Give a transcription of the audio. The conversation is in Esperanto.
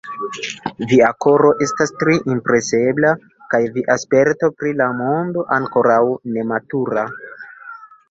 Via koro estas tre impresebla, kaj via sperto pri la mondo ankoraŭ nematura.